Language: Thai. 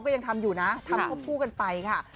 ยังทำอยู่นะทำควบคู่กันไปค่ะ